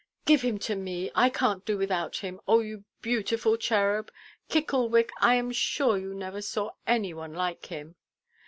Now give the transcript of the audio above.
"Give him to me; I canʼt do without him. O you beautiful cherub! Kicklewick, I am sure you never saw any one like him."